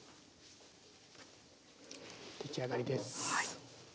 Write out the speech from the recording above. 出来上がりです。